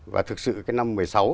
và thực sự cái năm một mươi sáu